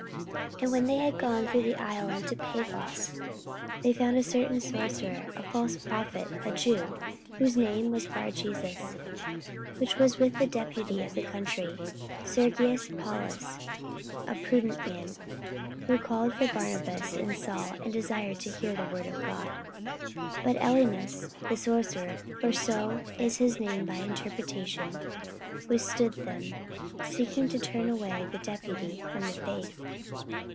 44:013:006 And when they had gone through the isle unto Paphos, they found a certain sorcerer, a false prophet, a Jew, whose name was Barjesus: 44:013:007 Which was with the deputy of the country, Sergius Paulus, a prudent man; who called for Barnabas and Saul, and desired to hear the word of God. 44:013:008 But Elymas the sorcerer (for so is his name by interpretation) withstood them, seeking to turn away the deputy from the faith.